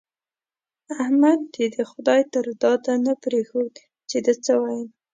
احمد دې د خدای تر داده نه پرېښود چې ده څه ويل.